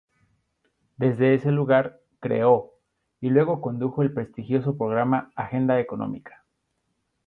Desde ese lugar creó y luego condujo el prestigioso programa Agenda Económica.